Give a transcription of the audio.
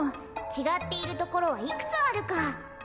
ちがっているところはいくつあるか？